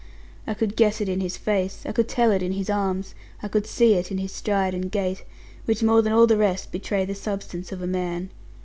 I could guess it in his face, I could tell it in his arms, I could see it in his stride and gait, which more than all the rest betray the substance of a man.